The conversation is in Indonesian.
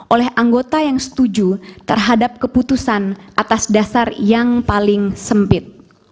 oleh anggota yang setuju terhadap keputusan atas dasar yang paling sempit